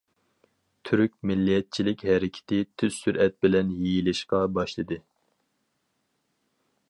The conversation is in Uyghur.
تۈرك مىللەتچىلىك ھەرىكىتى تېز سۈرئەت بىلەن يېيىلىشقا باشلىدى.